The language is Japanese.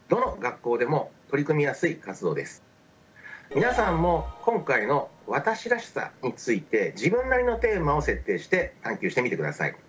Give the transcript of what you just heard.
皆さんも今回の「私らしさ」について自分なりのテーマを設定して探究してみてください。